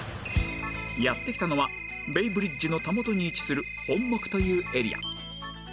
やって来たのはベイブリッジのたもとに位置する本牧というエリア